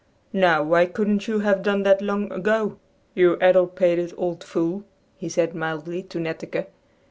"Now, why couldn't you have done that long ago, you addlepated old fool," he said mildly to Netteke.